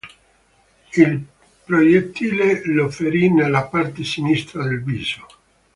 Il proiettile lo ferì nella parte sinistra del viso.